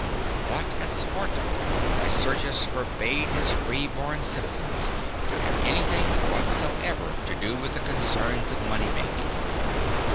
But at Sparta Lycurgus forbade his freeborn citizens to have anything whatsoever to do with the concerns of money making.